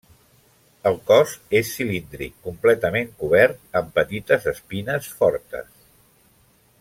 El cos és cilíndric, completament cobert amb petites espines fortes.